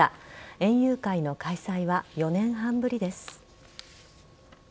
園遊会の開催は４年半ぶりです。